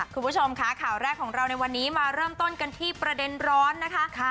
คุณผู้ชมค่ะข่าวแรกของเราในวันนี้มาเริ่มต้นกันที่ประเด็นร้อนนะคะ